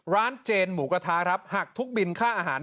เจนหมูกระทะครับหักทุกบินค่าอาหาร